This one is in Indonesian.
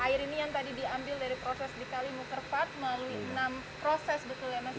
air ini yang tadi diambil dari proses di kalimukervard melalui enam proses betul ya mas